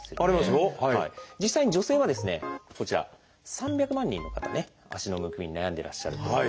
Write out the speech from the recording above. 実際に女性はこちら３００万人の方ね足のむくみに悩んでらっしゃるという。